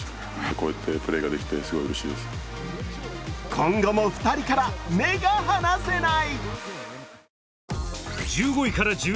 今後も２人から目が離せない。